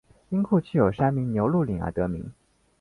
因库区有山名牛路岭而得名。